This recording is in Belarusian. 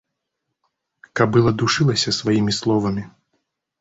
Кабыла душылася сваімі словамі.